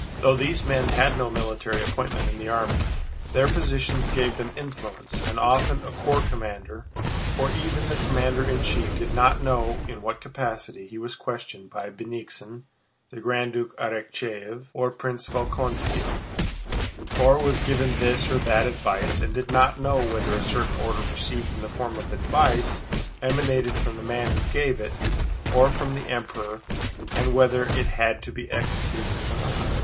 Though these men had no military appointment in the army, their position gave them influence, and often a corps commander, or even the commander in chief, did not know in what capacity he was questioned by Bennigsen, the Grand Duke, Arakchéev, or Prince Volkónski, or was given this or that advice and did not know whether a certain order received in the form of advice emanated from the man who gave it or from the Emperor and whether it had to be executed or not.